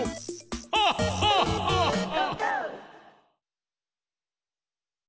ハッハッハッハ！